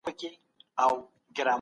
هغه پر وخت کار ونه کړ او ناکام سو.